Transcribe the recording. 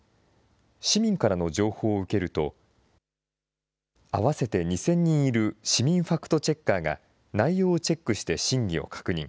市民からの情報を受けると、合わせて２０００人いる市民ファクトチェッカーが、内容をチェックして真偽を確認。